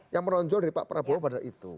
yang meronjol dari pak prabowo pada itu